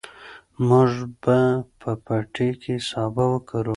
موږ به په پټي کې سابه وکرو.